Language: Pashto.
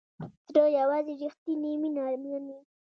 زړه یوازې ریښتیني مینه مني.